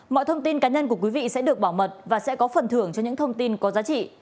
mọi thông tin cá nhân của quý vị sẽ được bảo mật và sẽ có phần thưởng cho những thông tin có giá trị